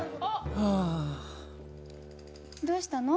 どうしたの？